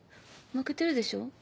負けてるでしょ？